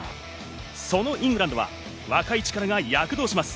そのイングランドは若い力が躍動します。